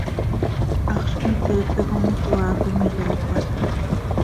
Haxz cmoqueepe com itoaa com iyoopalim.